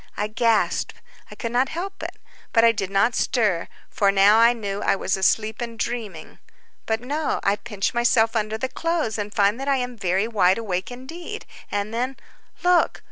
I gasped—I could not help it—but I did not stir. For now I knew I was asleep and dreaming. But no, I pinch myself under the clothes, and find that I am very wide awake indeed; and then—look!